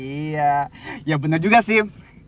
iya ya bener juga sim